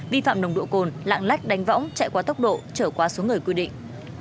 vi phạm nồng độ cồn lạng lách đánh võng chạy quá tốc độ trở qua số người quy định